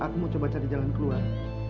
aku mau coba cari jalan keluar